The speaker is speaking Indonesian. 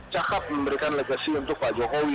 cakap memberikan legacy untuk pak jokowi